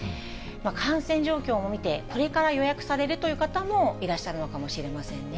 感染状況も見て、これから予約されるという方もいらっしゃるのかもしれませんね。